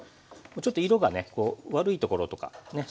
ちょっと色がね悪いところとかね